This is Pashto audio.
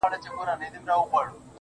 د تورو شپو سپين څراغونه مړه ســول_